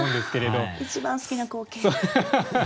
ああ一番好きな光景。